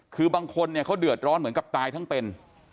คือบางคนเนี่ยเขาเดือดร้อนเหมือนกับตายทั้งเป็น